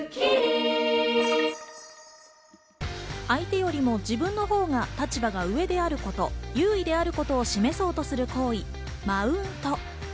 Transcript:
相手よりも自分のほうが立場が上であること、優位であることを示そうとする行為、マウント。